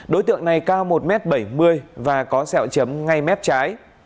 đối tượng này cao một m bảy mươi và có sẹo chấm ngay mép trái